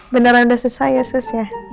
beneran udah susah ya sus ya